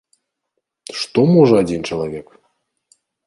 Што можа адзін чалавек?